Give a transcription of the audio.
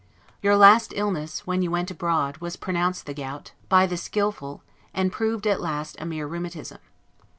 Your last illness, before you went abroad, was pronounced the gout, by the skillful, and proved at last a mere rheumatism.